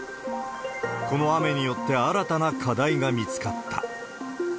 この雨によって新たな課題が見つかった。